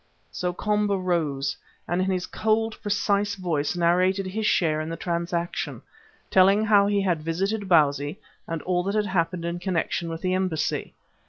So Komba rose, and in his cold, precise voice narrated his share in the transaction, telling how he had visited Bausi, and all that had happened in connection with the embassy.